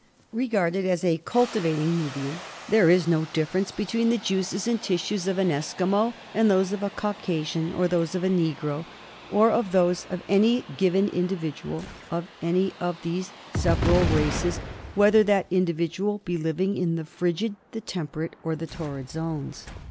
Regarded as a cultivating medium there is no difference between the juices and tissues of an Esquimaux and those of a Caucasian ; or those of a negro ; or of those of any given individual of any of these several races, whether that individual be living in the frigid, the temperate, or the torrid zones.